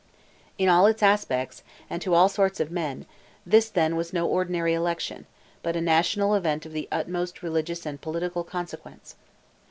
In all its aspects, and to all sorts of men, this, then, was no ordinary election, but a national event of the utmost religious and political consequence.